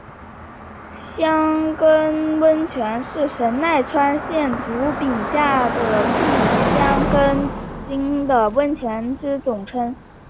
箱根温泉是神奈川县足柄下郡箱根町的温泉之总称。